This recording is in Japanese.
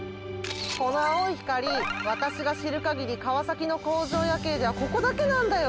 この青い光私が知る限り川崎の工場夜景ではここだけなんだよ。